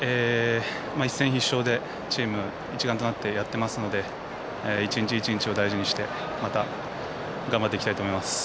一戦必勝でチーム一丸となってやっていますので一日、一日を大事にしてまた頑張っていきたいと思います。